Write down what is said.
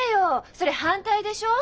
それ反対でしょう？